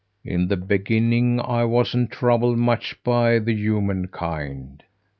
In the beginning I wasn't troubled much by the human kind.